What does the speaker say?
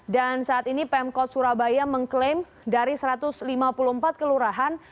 dan saat ini pemkot surabaya mengklaim dari satu ratus lima puluh empat kelurahan